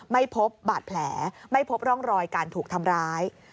ไม่พบบาดแผลไม่พบร่องรอยการถูกทำร้าย